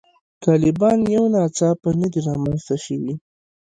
طالبان یو ناڅاپه نه دي رامنځته شوي.